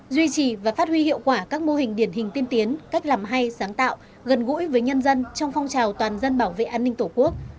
duy trì và phát huy hiệu quả các mô hình điển hình tiên tiến cách làm hay sáng tạo gần gũi với nhân dân trong phong trào toàn dân bảo vệ an ninh tổ quốc